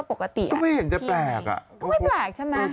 บอกว่าก็ไม่เห็นยังแตกแปลกชัดดี